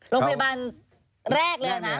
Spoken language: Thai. พ็อต์แล้วพยาบาลแรกเลยอ่ะนะ